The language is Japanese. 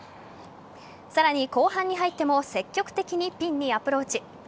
さらに後半に入っても積極的にピンにアプローチ。